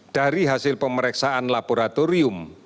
dari hasil pemeriksaan laboratorium